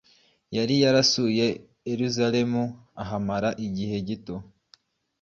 Yari yarasuye i Yesusalemu ahamara igihe gito